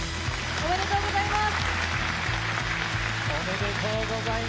おめでとうございます。